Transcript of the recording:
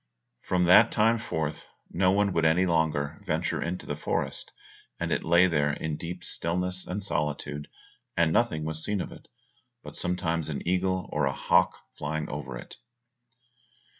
From that time forth, no one would any longer venture into the forest, and it lay there in deep stillness and solitude, and nothing was seen of it, but sometimes an eagle or a hawk flying over it.